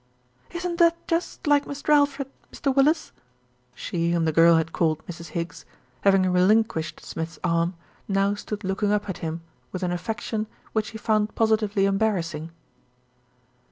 "Isn't that just like Mr. Alfred, Mr. Willis?" She whom the girl had called Mrs. Higgs, having relin quished Smith's arm, now stood looking up at him 86 THE RETURN OF ALFRED with an affection which he found positively embarrass ing.